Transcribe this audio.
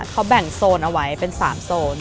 เขาแบ่งโซนเอาไว้เป็น๓โซน